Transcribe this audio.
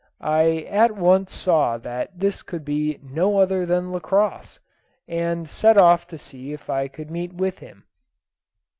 I at once saw that this could be no other than Lacosse, and set off to see if I could meet with him.